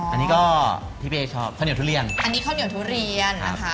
อันนี้ก็พี่เอ๊ชอบข้าวเหนียวทุเรียนอันนี้ข้าวเหนียวทุเรียนนะคะ